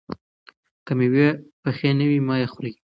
که مېوې پخې نه وي، مه یې خورئ.